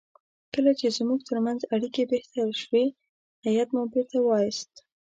کله چې زموږ ترمنځ اړیکې بهتر شوې هیات مو بیرته وایست.